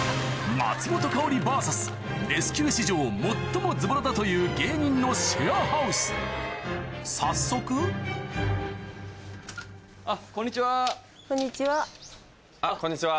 松本薫ｖｓレスキュー史上最もズボラだという芸人のシェアハウス早速こんにちは。